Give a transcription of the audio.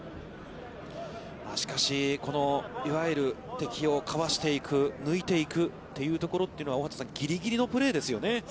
しかし、いわゆる敵をかわしていく、抜いていくというところというのは、大畑さん、ぎりぎりのプレーですよね。